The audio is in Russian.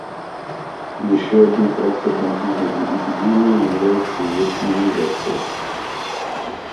Еще одним характерным признаком эпидемии является ее феминизация.